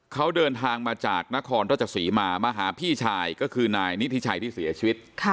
เขาเดินทางมาจากนครราชศรีมามาหาพี่ชายก็คือนายนิธิชัยที่เสียชีวิต